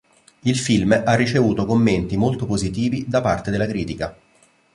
Il film ha ricevuto commenti molto positivi da parte della critica.